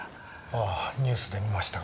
ああニュースで見ましたが。